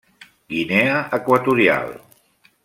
Guinea Equatorial.